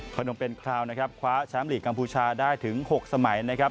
นมเป็นคราวนะครับคว้าแชมป์ลีกกัมพูชาได้ถึง๖สมัยนะครับ